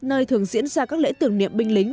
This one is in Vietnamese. nơi thường diễn ra các lễ tưởng niệm binh lính